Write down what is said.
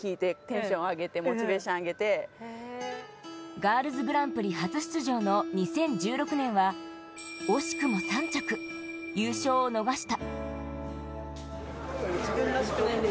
ガールズグランプリ初出場の２０１６年は惜しくも３着、優勝を逃した。